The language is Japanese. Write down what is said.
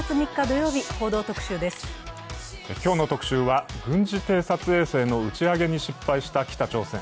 今日の特集は、軍事偵察衛星の打ち上げに失敗した北朝鮮。